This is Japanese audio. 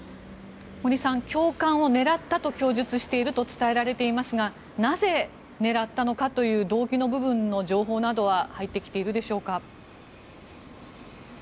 森さん教官を狙ったと供述していると伝えられていますがなぜ、狙ったのかという動機の部分の情報などは入ってきているでしょうか。